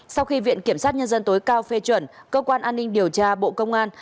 sau khi viện kiểm sát nhân dân tối cao phê chuẩn cơ quan an ninh điều tra bộ công an